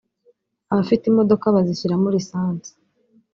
abafite imodoka bazishyiramo lisansi